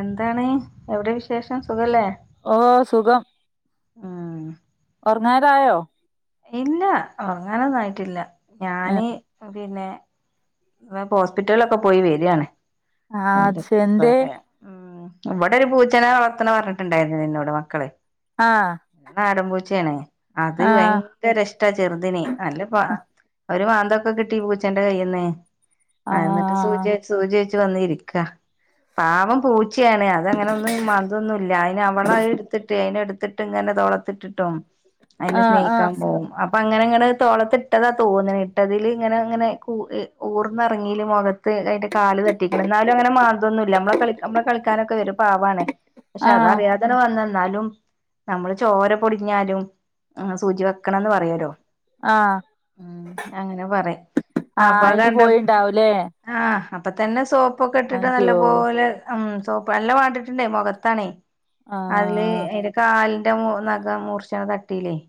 എന്താണ് എവ്ടെ വിശേഷം സുഖല്ലേ ഓഹ് സുഖം ആഹ്. ഓറങ്ങാറായോ? ഇല്ല ഉറങ്ങാനൊന്നായിട്ടില്ല ഏ, ഞാന് പിന്നെ ഹോസ്പിറ്റലിലൊക്കെ പോയി വരാണ്. ആഹ് അതുശെരി എന്തേ? ഉം ഇവിടെ ഒരു പൂച്ചനേ വളർത്തണ പറഞ്ഞിട്ടുണ്ടായിരുല്ലേ ഇനോട് മക്കള് ആഹ്. നാടൻ പൂച്ചയണേ അത് അയി രഷ്ട ചെറുതിന് അല്ല ഒരു മാന്തൊക്കെ കിട്ടി പൂച്ചന്റെ കൈയ്യിന്ന്. ആ എന്നിട്ട് സൂചിച്ച് സൂചിച്ചു വന്നിരിക്ക പാവം പൂ ഉച്ചയാണ് അത അങ്ങനെന്നും മതൊന്നുമല്ല അതിന് അവള എടുത്തിട്ട് അതിനെ എടുത്തിട്ട് ഇങ്ങനെ തോളത്തിട്ടിട്ടും ആ അയിനെ ആ സ്നേഹിക്കാൻ പോവും അപ് അപ്പൊ അങ്ങനെ ഇങ്ങനെ തോളത്തി ഇട്ടതാ തോന്നണു ഇട്ടതിൽ ഇങ്ങനെ ഇങ്ങനെകൂ ഊർന്ന ഇറങ്ങിയിൽ മുഖത്ത് അതി്ന്റെ കാല് തട്ടിക്കണം എന്നാലും അങ്ങനെ മാന്തോന്നും ഇല്ല നമ്മള കളി നമ്മള കളിക്കാനൊക്കെ വരും. പാവാണ് ആ പക്ഷേ അതറിയാതെ അങ്ങനെ വന്നന്നാലും നമ്മള് ചോര പൊടിഞ്ഞാലും സൂചി വെക്കണംന്ന് പറയല്ലോ ഉം അങ്ങനെ പറയും. ആഹ് അപ്പൊ അത് അയിന് കണ്ടപ്പോ പോയിണ്ടാവൂല്ലേ? ആഹ് അപ്പൊ തന്നെ സോപ്പൊക്കെ ഇട്ടിട്ട് അയ്യോ നല്ലപോലെ ഉം സോപ്പ നല്ല വാണ്ടിട്ടുണ്ടേ മുഖത്താണേ- ആഹ്. അതില് അതിന്റെ കാലിന്റെ മു നഖ മൂർച്ചാണ് തട്ടിലേയ്യ്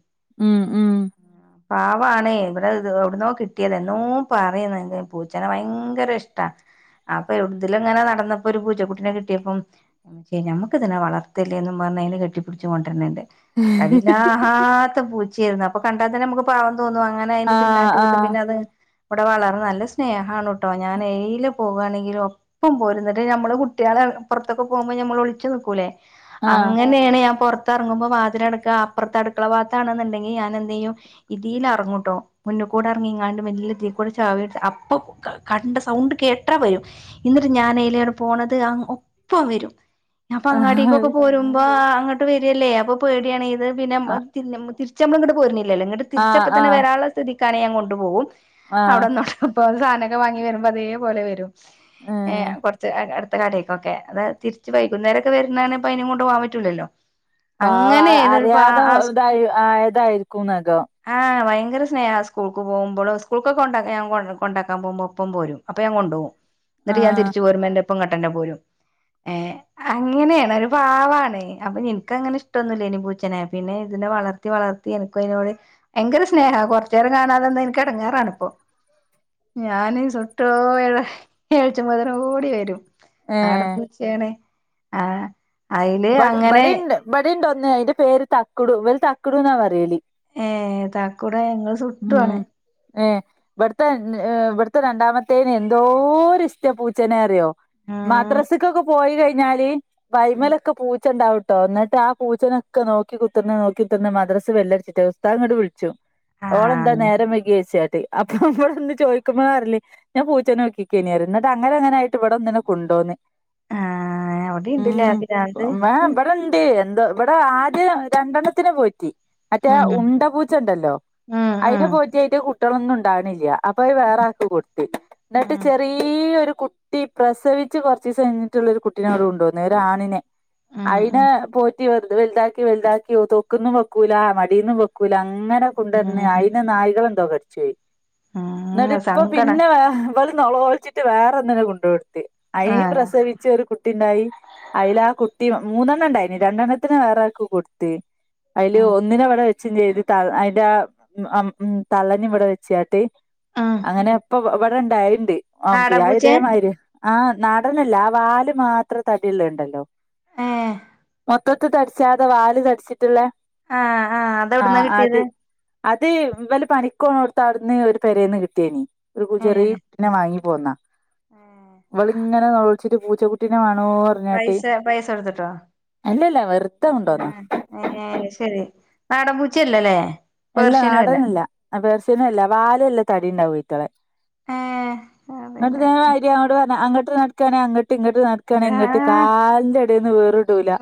ഉം ഉം. പവാണേ ഇവിടെ ത് എവിടന്നോ കിട്ടിയത് എന്നൂ പറയുന്ന പൂച്ചേനെ ഭയങ്കര ഇഷ്ടാ. അപ്പ എവിടുതിലുംങ്ങന നടന്ന് ഇപ്പൊ ഒരു പൂച്ച കുട്ടിനെ കിട്ടിയപ്പം നഞമ്മുക്ക ഇതിനെ വളർത്തത്തില്ലേ എന്ന പറഞ്ഞഞ് അതിനെ കെട്ടിപ്പടിച്ച് കൊണ്ടുവരണ്ട്. തടിലാത്ത പൂച്ചയായിരുന്നു അപ്പൊ കണ്ടാൽ തന്നെ നമുക്ക് പാവം തോന്നും അങ്ങനെ ആ അതിന് തിന്നാട്ട് ആ കൊടുത്ത് പിന്നെ അത് ഇവിടെ വളർന്നു നല്ല സ്നേഹണു ട്ടോ ഞാൻ എയില് പോവാനാകിലും ഇപ്പം പോരുന്നട്ട് നമ്മള് കുട്ടികളെ പുറത്തൊക്കെ പോകുമ്പോൾ നമ്മള് ഒളിച്ച് നിക്കുലെ ആ അങ്ങനെയാണ് ഞാൻ പുറത്ത്റങ്ങുമ്പോൾ വാതിൽ അടുക്കുക അപ്പുറത്ത് അടുക്കള ഭാഗത്താണെന്നുണ്ടെങ്കി ഞാൻ എന്തെയും- ഇതിൽ ഇറങ്ങൂട്ടോ- മുന്നി കൂടെ ഇറങ്ങി ഇങ്ങാണ്ട് വലിയത്തി കൂടെ ചവി അപ്പൊ കണ്ട സൗണ്ട് കേട്ടാ വരും. എന്നിട്ട് ഞൻലോടെ പോണത് അഹ് ഒപ്പം വരും. അപ്പ ആ അങ്ങാടിക് പോരുമ്പോ അങ്ങോട്ട് വരുല്ലേ അപ്പൊ പേടിയാണെ ഇത് പിന്നെ മ്മ തിരി തിരിച്നമ്മൾ ഇങ്ങട്ട് പോരുന്നില്ലല്ലോ ഇട്ട് ആ തിരിച്ചപ്പപ്പോ ആ തന്നെ വരാനുള്ള സ്ഥിതിക്കാണേൻ കൊണ്ടു പോകും ആ അവിടന്നാണ്ട് ഇപ്പൊ സാധനവെക്കെ വാങ്ങി വെരുമ്പോ അതേപോലെ വെരും. ഏഹ് ഉം കൊറെച്ച് അ അടു എടെക്കൊക്കെ അത് തിരിച്ച് വൈകുന്നേരെക്കെ വെരുന്നെനിപ്പം അയിനേ കൊണ്ട് പോവാൻ പറ്റൂലല്ലോ. പാവ അങ്ങനെയായിരുന്നു ഒരു പാ അറിയാതെ ഇതായി ആയതായിരിക്കും നഖം. ആഹ് ഭയങ്കര സ്നേഹാ. സ്കൂളിക്ക് പോമ്പളോ. സ്കൂളെക്കെ കൊണ്ടാക്കാൻ ഞാൻ കൊണ്ടാക്കാൻ പോമ്പോ ഒപ്പം പോരും. അപ്പൊ ഞാൻ കൊണ്ടു പോം. ആ എന്നിട്ട് ഞാൻ തിരിച്ചു പോരുമ്പം എന്റൊപ്പം ങ്ങട്ടന്നെ പോരും ഏഹ്. അങ്ങനെയാണ് ഒരു പാവാണ്. അപ്പൊ എനക്കങ്ങനെ ഇഷ്ടൊന്നുമില്ല ഇനി പൂച്ചനെ. പിന്നെ ഇതിനെ വളർത്തി വളർത്തി എനി ക്കൊഞ്ഞൊള്. ഭയങ്കര സ്നേഹാ. കൊറെച്ച് നേരം കാണാതെ നിന്നാ എനക്ക് എടങ്ങേറാണ് ഇപ്പോ. ഞാന് സുട്ടോ ഏഴ ഏഴച്ചന്നേരം ഓടി വെരും. ഏ നാടാൻ പൂച്ചയാണ്ആഹ് ഇബട് ഇബടിണ്ട് ഇബെടിണ്ടൊന്ന്. അയിന്റെ പേര് തക്കുടു. ഇവൾ തക്കുടുന്നാ പറയല്. ഏഹ് തക്കുടെ നിങ്ങെള് സുട്ടുവാണ്. ഏഹ് ഇവെട്ത്തെ ഇവെട്ത്തെ രണ്ടാമത്തേന് എന്തോര് ഇസ്‌റ്റാ പൂച്ചേനേ അറിയോ. ഉം മദ്രസ്ക്കൊക്കെ പോയി കഴിഞ്ഞാല് വയ്മലൊ പൂച്ചണ്ടാവുട്ടോ. ഇന്നട്ട് ആ പൂച്ചനെക്കെ നോക്കി കുതർന്ന് നോക്കി കുതർന്ന്, മദ്രസ് ബെല്ലട്ച്ചിട്ടേ ഉസ്താതിങ്ങോട്ട് വിളി ച്ചു. ഓളെന്താ ആഹ് നേരം വൈകിയേയ്ച്ചാട്ട്. അപ്പൊ നമ്മെളൊന്ന് ചോയിക്കുമ്പളാപറ്യല്, ഞാൻ പൂച്ചനേ നോക്കി നിക്കേനി പറയും. എന്നിട്ട് അങ്ങനെ അങ്ങനായിട്ട് ഇവെടെ ഒന്നിനെ കുണ്ടോന്ന്. ആഹ് അവ്ടീണ്ട് ലേ ആ പിരാ ഇമ്മേ ഇവെടെണ്ട്. എന്തോ ഇവടെ ആദ്യം രണ്ടെണ്ണത്തിനേ പോറ്റി. മറ്റേ ഉം ഉണ്ട പൂച്ച ണ്ടല്ലോ. ഉം ഉം അയ്നെ പോറ്റി അയിന്റെ കുട്ടിയേളൊന്നും ഉണ്ടാവ്ണില്ല. അപ്പ അത് വേറാക്ക് കൊട്ത്ത്. ന്നട്ട് ഉം ചെറി ഈയൊരു കുട്ടി പ്രസവിച്ച് കൊർച്ചീസം കഴിഞ്ഞിട്ടൊള്ളൊരു കുട്ടിനേ ങ്ങട് കൊണ്ടോന്ന്. ഒരാണിനെ. ഉം അയിനെ ഉം പോറ്റി വെർ വെലുതാക്കി, വെലുതാക്കി തൊക്ക്ന്നും വെക്കൂല, മടീന്നും വെ ക്കൂല അങ്ങനെ കുണ്ടുട്ന്ന് ഉം ഉം അയിനേ നായ്കളെന്തോ കട്ച്ചോയി. ഇന്നട്ട് ഇപ്പ സങ്കടം പിന്നെ ഇവെള് നൊളോൾച്ചിട്ട് വേറൊന്നിനെ കുണ്ടയൊട്ത്ത്. അയിനെങ്കി ആഹ് പ്രസവിച്ച് ഒരു കുട്ടിണ്ടായി. അയിലാ, കുട്ടി മൂന്നെണ്ണം ഉണ്ടായിന്. രണ്ടെണ്ണത്തിനെ വേറാക്ക് കൊട്ത്ത്, അയ്ല് ആഹ് ഒന്നിനെ ഇവെടെ വെ ച്ചും ചെയ്ത്, തൾ അയിന്റാ അമ് ഉം തള്ളേനെ ഇവെടെ വെച്ചാട്ട് ആഹ് അങ്ങനെ ഇപ്പം വ വെടെ ഇണ്ടായേണ്ട്. അം വ്യായ് നാടൻപൂച്ചെ ഇതേമായിര്യാ. ആഹ് നാടനല്ല. ആ വാല് മാത്രം തടിള്ളെത്ണ്ടല്ലോ. ഏഹ് മൊത്തത്ത് തടിച്ചാതെ, വാല് തടിച്ചിട്ട്ള്ളെ ആഹ് ആഹ് അതെവിടുന്നാ ആഹ് അത്. കിട്ടിയത് അത് ഇവെല് പണിക്ക് പോണോട്ത്ത് അവ്ട്ന്ന് ഒരു പെരേന്ന് കിട്ട്യേനി. ഒരു കു ചെറീ ഏഹ് നെ വാങ്ങി പോന്നാ. ഏഹ് ഇവള്ങ്ങനെ നൊളോൾച്ചിട്ട് പൂച്ചക്കുട്ടിനെ മാണോ, പൈസെ, പൈസ കൊടുത്തിട്ടോ? അല്ലല്ല. വെർധെ കൊണ്ടൊന്നാ ആഹ് ഏഹ് ശെരി. നാടൻ പൂച്ച്യല്ല ലേ. അല്ല നാടനല്ല. പേർഷനും അല്ല. വാല ല്ല തടി ണ്ടാവും അയ്റ്റെളെ. ഏഹ് ഇങ്ങട്ട് അതന്നെ ഇതേ മായ്ര്യാ അന്നോട് പർഞ അങ്ങട്ട് നട്ക്കാണേ അങ്ങട്ട്. ഇങ്ങട്ട് നട് ക്കാണേ ഇങ്ങട്ട് കാല്ന്റെ എടേന്ന് വേറിടൂലാ.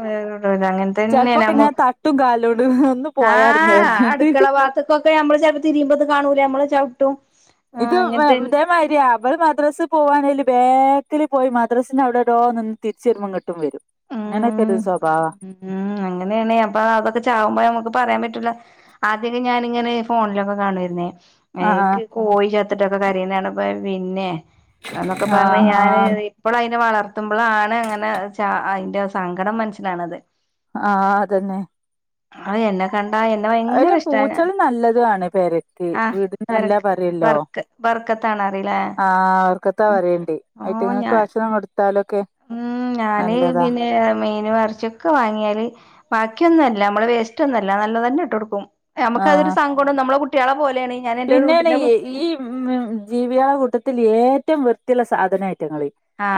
അങ്ങനെ തന്നെ ചെൽപ്പൊക്കെ നമ്മ ഞാൻ തട്ടും കാല്ലോണ്ട്. ഒന്ന് പോയാട്ന്ന് ന്ന് പറഞ്ഞാട്ട്. ക്കളവാത്ത് ക്കൊക്കെ ഞമ്മെള് ചെലപ്പം തിരിയുമ്പോ ഇത് കാണൂല ഞമ്മെള് ചവ്ട്ടും. ഇത് വെ ഇതേമായ്രിയാ. ഇവെള് മദ്രസ് പോവാണേല് ബാക്കില് പോയി മദ്രസ്ൻ്റെ അവ്ടേടോ നിന്ന് തിരിച്ചു വെരുമ്പം ഇങ്ങട്ടും വെരും. അങ്ങനെക്കൊരു ഉം സ്വഭാവാ. ഉം അങ്ങനേണേ. അപ്പ അതൊക്കെ ചാവുമ്പം നമ്മെക്ക് പറയാൻ പറ്റൂല്ല. ആദ്യൊക്കെ ഞാനിങ്ങനെ ഫോണിലൊക്കെ കാണുവാരുന്നേ. ആഹ് എനിക്ക് കോഴി ചത്തിട്ടൊക്കെ കരയുന്ന കാണുമ്പ പിന്നെ എന്നൊക്കെ പറഞ്ഞ് ആഹ് ഞാന് ആഹ് നി ഇപ്പള് അയിനെ വളർത്തുമ്പളാണ് അങ്ങനെ ച അയിന്റെ സങ്കടം മനസ്സിലാണത്. ആഹ് അതന്നെ. അത് എന്നെ കണ്ടാ എ അയ്ന് പൂച്ചള് നല്ലതു ആണ് പെര് ക്ക്. ആഹ് വീട്ന് നല്ലാ ബർക്ക് പറയല്ലോ ബർക്ക് ബർക്കത്താണ് അറിയില്ലേ ആഹ് അവർക്കൊ ക്കെ പറയെണ്ട് ഓ ഐറ്റങ്ങക്ക് ഞാൻ ഭക്ഷണം കൊടുത്താലൊക്കെ ഉം ഞാന് നല്ലതാ പിന്നെ മീനു എറച്ചി ക്കെ വാങ്ങ്യാല് ബാക്കിയൊന്നു അല്ല. നമ്മള് വേസ്റ്റ് ഒന്നു അല്ല. നല്ല തന്നെ ഇട്ട് കൊടുക്കും. നമുക്കത് ആഹ് സൻ ണ്ട് നമ്മളെ കുട്ട്യേളെ പോലെ ആണ്. ഞാൻ എന്റെ കുട്ടി പിന്നേണ് ഈ [unintelligible] ഈ ഉം ജീവ്യേളെ കൂട്ടത്തിൽ ഏറ്റം വൃത്തി ഇള്ള സാധന അയ്റ്റങ്ങള്.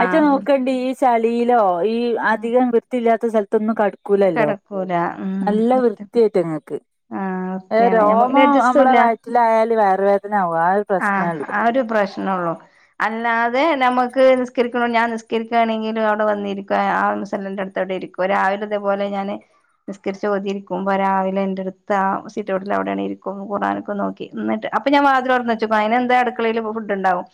അയിറ്റ വൃത്തി നോക്കണ്ടി. ച്ചളിലോ ഈ അധികം വൃത്തിയില്ലാത്ത സ്ഥലത്തൊന്നും കട ഒന്നും കൂലല്ലൊ. കിടക്കൂല ഉം നല്ല വൃത്തി വൃത്ത്യ അയ്റ്റങ്ങക്ക്. ആഹ് ഏ വൃത്തിയാണ് നമ്മക്ക് രോമം അഡ്ജസ്റ്റും നമ്മളെ ഇല്ല വയറ്റിലായാല് വയറുവേദന ആകും. ആ ഒരു പ്രശ്നാ ആഹ് ഇള്ളെ ആ ഒരു പ്രശ് നൊള്ളു. അല്ലാതെ ഞമക്ക് നിസ്കരിക്ക്ണൊ [unintelligible] ഞാൻ നിസ്കരിക്കാണെങ്കിലും അവിടെ വന്നിരിക്കു. ആ മുസല്ലന്റെ അടുത്ത് അടെ ഇരിക്കും. ഇപ രാവിലെതേപോലെ ഞാന്. നിസ്കരിച്ച് ഓതി ഇരിക്കുമ്പ രാവിലെ ഇന്റെ അടുത്ത് ആ സീറ്റൗട്ടിൽ അവിടെ ഇരിക്കും. ഖുർആനൊക്കെ നോക്കി ഇന്നട്ട് അപ്പ ഞാൻ വാതില് തൊറന്നച്ച്. അയ്ന് എന്താ അടുകളേല് ഫുഡ് ഇണ്ടാകും.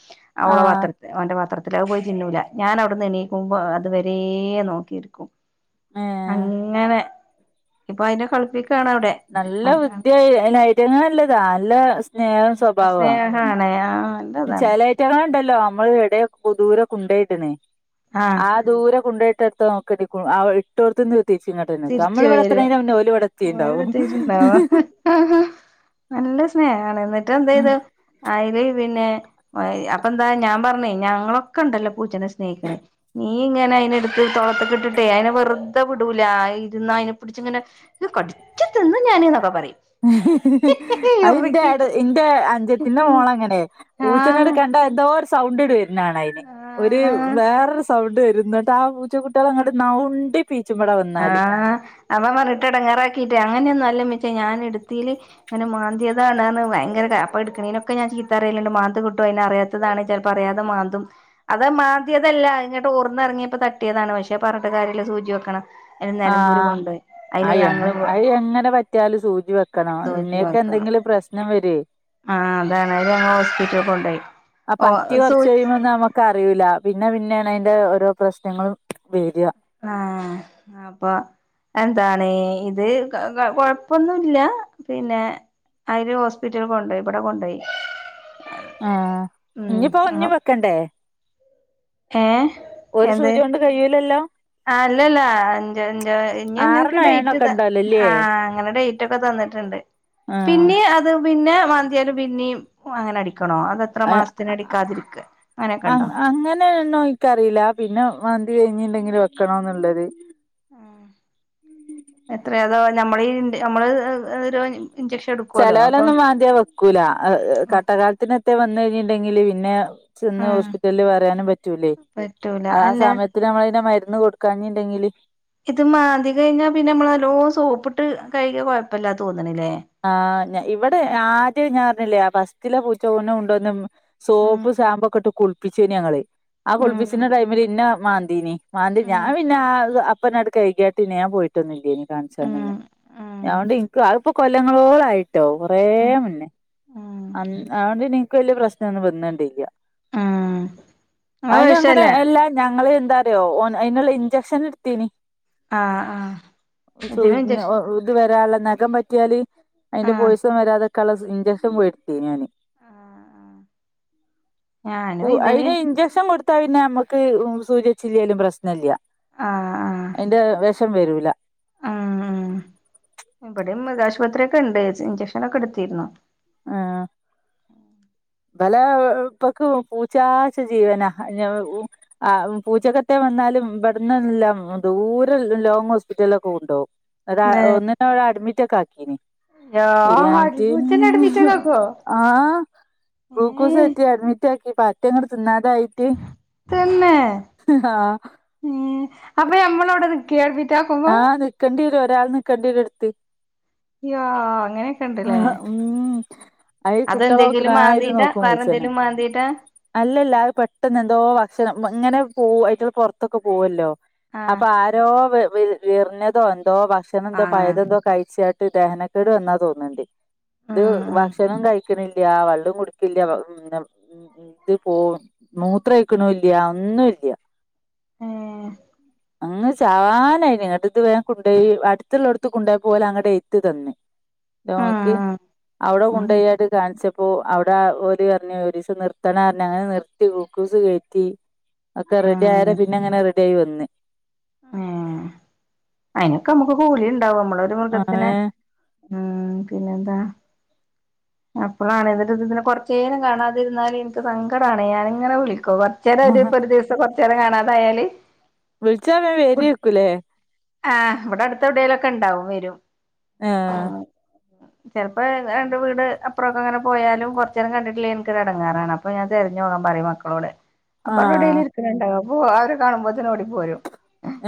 ഓളെ ആഹ് പാത്ര ഓന്റെ പാത്രത്തില്. അഹ് പോയി തിന്നൂല്ല. ഞാൻ ഔട്ന്ന് എണീക്കുമ്പം അത് വരേ നോക്കിയിരിക്കും. ഏഹ് അങ്ങനെ. ഇപ്പൊ അയ്നെ കളിപ്പിക്കാണ് ഔടെ. നല്ല ഭുദ്യയ്. അയ്ന് അയ്റ്റങ്ങള് നല്ലതാ നല്ല സ്നേഹം സ്വഭാവ്വ. ആണ് ആ. നല്ലതാണ് ചെലെയ്റ്റങ്ങളെ ഇണ്ടല്ലൊ നമ്മള് എ ടെ ദൂര കൊണ്ടോയിട്ണ് ആഹ് ആ ദൂരെ കൊണ്ടോയിട്ടടുത്ത് നോക്കെ ഇട്ടോട്ത്ത്ന്ന്. തിരിച്ചു ഇങ്ങട്ടെന്നെ എത്തും. തിരിച്ചു നമ്മള് വരും ഇവടത്ത്ണേന്റ മുന്ന്യ ഓല് ഇവടത്തീണ്ടാവും. ഓരെടുത്തിട്ടുണ്ടാവ നല്ല സ്നേഹാണ്. ഇന്നട്ട് എന്തെയ്ത്. അയ്ല് പിന്നെ അപ്പൊ ഇന്താ ഞാൻ പറഞ്ഞ് ഞങ്ങളൊക്കെ ഇണ്ടല്ലൊ പൂച്ചനെ സ്നേഹിക്ക്ണ്. നീ ഇങ്ങനെ അയിനെ ഇടുത്ത് തോ ളത്ത്ക്ക് ഇട്ട്ട്ടെ അയിനെ വെറ്തെ വിടൂല. ഇരുന്ന അയ്നെ പിടിച്ച് ഇങ്ങനെ ഇ [unintelligible] കടിച്ച് തിന്നും ഞാൻ ന്നൊക്കെ പറയും. [inaudible] അത് ഇന്റെ അ ഇറുക്കിട്ട് ഇന്റെ അഞ്ചത്തിന്റെ മോള് അങ്ങനെ. പൂച്ചനെ ആഹ് ക്കണ്ടാ എന്തോ സൗണ്ടണ്ട് വര്ന്നാണ അയ്ന്. ഒരു ആഹ് വേറൊരു സൗണ്ട് വരും. ഇന്നട്ട് ആ. കൊച്ചു കുട്ട്യേളെ ഇങ്ങട്ട് നൗണ്ടി പീച്ചും ഇവെടെ വന്ന് ആഹ് അമ്മമാറിട്ട എടങ്ങാറാക്കിട്ടെ അങ്ങനെയൊന്നും അല്ലമ്യച്ചെ ഞാന് ഇടുത്തീല്. ഇങ്ങനെ മാന്ത്യതാണ് അറ്ണ് ഭയര അപ്പ ഇട്ക്ണേനൊക്കെ ഞാൻ ചീത്ത അറിയില്ണ്ട്. മാന്ത് കിട്ടും അയ്നറിയാ താണ്. ചെൽപ്പം അറിയാതെ മാന്തും. അത് മാന്ത്യേതല്ല ഇങ്ങട്ട് ഓർന്ന് എറങ്യേപ്പം തട്ടിയതാണ്. പക്ഷെ പറ്ഞ്ഞിട്ട് കാര്യല്ല സൂചി വെക്കണം. അതിന് നിലമ്പൂര് ആഹ് കൊണ്ടോയി അതില് അഹ് ഞങ്ങള് അഹ് എങ്ങനെ പറ്റ്യാലും സൂചി വെക്കണം. പിന്നെ ഒക്കെ എന്തെങ്കിലും പ്രശ്നം വര്വോ. ആ അതാണ്. അവരെ ഞങ്ങൾ ഹോസ്പിറ്റല് കൊണ്ടോയി ആ ഓ പറ്റി കൊറ്ച്ച് സൂ കഴിയുമ്പം നമ്മക്ക് അറിയൂല. പിന്നെ പിന്നെേണ് അയ്ന്റെ ഓരോ പ്രശ്നങ്ങളും വര ആഹ് അപ്പൊ. എന്താണ് ഇത് കൊഴപ്പൊന്നു ഇല്ല പിന്നെ അയ്ല് ഹോസ്പിറ്റല് കൊണ്ടോയി. ഇ ബെടെ കൊണ്ടോയി. ആ ഉം ഇഞ്ഞ്പ്പോ ഇഞ്ഞും വെക്കെണ്ടേ. ഏഹ്. ഒരു സൂച്യാേണ്ട് കഴൂലല്ലൊ. ആ അല്ലല്ല. അഞ്ച് അഞ്ചോ ഇഞ്ഞ് അങ്ങനക്കെ ആറെണ്ണോ ഏഴെണ്ണോ ഡേയ്റ്റ് ഒക്കെ ഇതാ ഇണ്ടാവല്ലോല്ലേ ആഹ് അങ്ങനെ ഡേറ്റ് ഒക്കെ തന്നിട്ടെണ്ട് ആഹ് പിന്നെ അ ത് പിന്നെ മാന്തിയാലും പിന്നീം അങ്ങനെ അടിക്കണോ അത അഹ് ഇത്രമാസത്തിനടിക്കാതിരിക്ക് അങ്ങനെയൊക്കെ ഇണ്ടോ പിന്നേ എന്നോ എനിക്കറിയില്ല പിന്നെ മാന്തി കഴിഞ്ഞിണ്ടെങ്കില് വെക്കണോന്നിള്ളത് എത്രയോ അതോ നമ്മളീ നമ്മള് [unintelligible] ഒര് ഇൻഞ്ചക്ഷ ചെലവലൊന്നും മാന്തിയ വെക്കൂല അഹ് കട്ടകാലത്തിനൊത്തെ വന്ന് കഴിഞ്ഞിണ്ടെങ്കില് പിന്നെ ച്ചിന്ന് ഉം ഹോസ്പിറ്റൽല് പറയാനും പറ്റൂലേ പറ്റൂല അതാ അല്ല സമയ ഇത്തിരി അമ്മളയിന്റെ മരുന്ന് കൊടുക്കാഞ്ഞിണ്ടെങ്കില് ഇത് മാന്തി കഴിഞ്ഞാ പിന്നെ മ്മള് നല്ലോം സോപ്പിട്ട് കഴികിയ കൊഴപ്പില്ലാ തോന്ന്ണില്ലേ ആഹ് ഞ ഇവിടെ ആദ്യം ഞാൻ പറഞ്ഞില്ലേ ഫസ്റ്റിലെ പൂച്ച ഒന്നും ഉണ്ടോന്നും ഉം സോപ്പ് സാമ്പു ഒക്കെ ഇട്ട് കുളിപ്പിച്ചീനു ഞങ്ങള് ആ ഉം കുളിപ്പിച്ചിന ടൈമില് ഇന്ന മാന്തീനി മാന്തി ഉം ഞാൻ പിന്നാ അത് അപ്പനവിടെ കൈകിയാട്ട് പിന്നെ ഞാൻ പോയിട്ടൊന്നില്ലേനി ഉം കാണിച്ചാനൊന്നും ഉം ഞാണ്ട് എനിക്ക്‌ [unintelligible] കൊല്ലങ്ങളോളായിട്ടൊ കൊറേ ഉം മുന്നെ ഉം അന്ന് അതുകൊണ്ട് എനിക്ക് വലിയ പ്രശ്നൊന്നും വന്നോണ്ടില്ല ഉം അത് അയ്നങ്ങനെ വിഷല്ലേ എല്ലാ ഞങ്ങള് എന്താ അറിയോ ഓൻ അയ്നെള്ള ഇഞ്ചെക്ഷൻ എടുത്തീനി ആഹ് ആഹ് സൂ ഇതിന് ന് ഇഞ്ചക്ഷ ഇത് വരാള്ള നഖം പറ്റിയാല് അയ്ന്റെ ആഹ് പോയിസം വരാതെക്കാള സ് ഇൻഞ്ചക്ഷൻ പോയെടുത്തേനി ഞാന് ആഹ് ഉ ഞാനും ഇതിന് അയിന് ഇഞ്ചക്ഷൻ കൊടു ത്താ പിന്നെ നമ്മക്ക് സൂചി വെച്ചില്ലേലും പ്രശ്നില്ല ആഹ് അതിന്റെ വെഷം വരൂല്ല ഇവിടേം മൃഗാശുപത്രിയക്കെ എണ്ട് ഇജ് ഇഞ്ചെക്ഷനൊക്കെ എടുത്തിരുന്നു ആഹ് ഇബലാ ഉപ്പക്കും പൂച്ചാന്ന്ച്ച ജീവന [unintelligible] ആഹ് പൂച്ചക്കത്തെ വന്നാലും ഇബടുന്നെല്ലാം ദൂരെ ലോങ്ങ് ഹോസ്പിറ്റൽലൊക്കെ കൊണ്ടോകും അത ഏഹ് ഒന്നിനവിടെ അഡ്മിറ്റൊക്കെ ആക്കീന് യാ അടിപൂച്ചനെ [unintelligible] അഡ്മിറ്റാക്കാക്കോ ആഹ് ഗ്ലൂക്കൂസ് ഏഹ് കേറ്റി അഡ്മിറ്റാക്കി പറ്റങ്ങട് തിന്നാതായി തന്നേ ആഹ് ഉം അപ്പൊ നമ്മളവിടെ നിക്കെ അഡ്മിറ്റാക്കു ആഹ് നിക്കേണ്ടി വരും ഒരാള് നിക്കേണ്ടി വരും എടുത്ത് യോ അങ്ങനേക്കെണ്ട്ലേ ആഹ് ഉം അയി കുട്ടികളെ നോക്കണമാരി മാന്തീട്ടാ നോക്കും പൂച്ചേനെ വേറെന്തേലും മാന്തീട്ടാ അല്ലല്ല അത്‌ പെട്ടെന്ന് എന്തോ ഭക്ഷണം ഇങ്ങനെ പോ അയിറ്റുങ്ങള് പൊറത്തൊക്കെ പോവല്ലോ ആഹ് അപ്പൊ ആരോ വെ വെ എറിഞ്ഞതോ എന്തോ ഭക്ഷണം എന്തോ ആഹ് പഴയതെന്തോ കഴിച്ച ട്ട് ദഹനക്കേട് വന്നാ തോന്നെണ്ട് ഇത് ഉം ഉം ഭക്ഷണം കഴിക്കണില്ല വെള്ളം കുടിക്കില്ല ഇത് പോ മൂത്രം ഒഴിക്കണുല്ല ഒന്നും ഇല്ല ഏഹ് അങ്ങ് ചാവാനായി ഇങ്ങട്ട് ഇത് വേഗം കൊണ്ടോയി അടുത്തുള്ള അടത്ത് കൊണ്ട് പോയപോലെ അങ്ങട്ട് ഏത്ത് തന്ന് യെസ് [unintelligible] അവിടെ കൊണ്ടായ്യാട്ട് കാണിച്ച പ്പൊ അവിടെ ഓര് പറഞ്ഞ് ഒരു ദിവസം നിർത്തണ പറഞ്ഞ് അങ്ങനെ നിർത്തി ഗ്ലൂക്കൂസ് കേറ്റി ഒക്കെ റെഡി ആയാല പിന്നെ അങ്ങനെ റെഡി ആയി വന്ന് ഹേ അയിനൊക്കെ നമുക്ക് കൂലി ഇണ്ടാവും നമ്മള ഒരു മൃഗത്തിനെ ഏഹ് അഹ്‌ പിന്നെന്താ അപ്പളാണ് ഇന്നിട്ട് ത് ഇതിനെ കൊറച്ചേരം കാണാതിരുന്നാല് എനിക്ക് സങ്കടണ് ഞാനിഇങ്ങനെ വിളിക്കു പ ചിലവ രു ഇപ്പൊ ഒരു ദിവസം കുറച്ച നേരം കാണാതായാല് വിളിച്ചാ വേം വേരെക്കൂല്ലേ ആഹ് ഇവിടെ അടുവിടയിലൊക്കെ ഉണ്ടാവും വരും ആഹ് [unintelligible] ചെലപ്പൊ ഹേ രണ്ട് വീട് അപ്പറൊക്കെങ്ങനെ പോയാലും, കൊറച്ചേരം കണ്ടിട്ടില്ലെങ്ങിൽ ൻക്കൊരെടെങ്ങേറാണ്, അപ്പ ഞാ തെരഞ്ഞോകാൻ പറിം മക്ക ളോട് അപ്പ അവടൊവ്ടേലും ആഹ് ഇരിക്ക്‌ണ്ടാവും അപ്പോ, അവരെ കാണുമ്പോത്തിനോടി പോരും.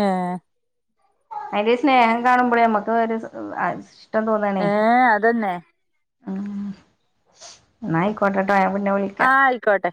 ഏഹ് അയിൽ ഒര് സ്നേഹം കാണുമ്പോഴേ, നമ്മക്കഹ് ഒരു ഇഷ്ടം തോന്നാണേ! ഏഹ് അതന്നെ ഉം.. ന്നാ അയ്ക്കോട്ടെട്ടോ, ഞാപിന്നെ വിളി ആഹ് അയ്ക്കോട്ടെ.